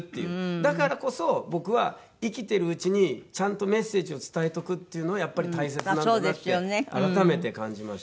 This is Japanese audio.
だからこそ僕は生きてるうちにちゃんとメッセージを伝えておくっていうのはやっぱり大切なんだなって改めて感じましたね。